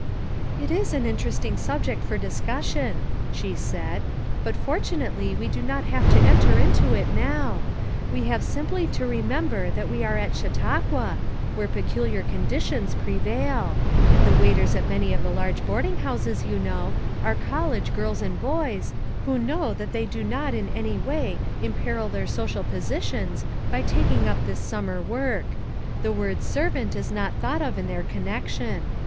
"It is an interesting subject for discussion," FOUR MOTHERS AT CHAUTAUQUA 26? she said, "but fortunately we do not have to enter into it now; we have simply to remember that we are at Chautauqua, where peculiar conditions prevail; the waiters at many of the large boarding houses, you know, are college girls and boys, who know that they do not in any way imperil their social positions by tak ing up this summer work; the word ' servant' is not thought of in their connection.